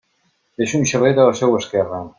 Deixa un xalet a la seua esquerra.